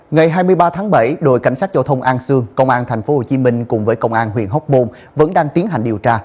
ngày hai mươi ba tháng bảy đội cảnh sát giao thông an sương công an tp hcm cùng với công an huyện hóc môn vẫn đang tiến hành điều tra